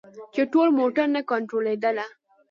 چې ټول موټر نه کنترولیده.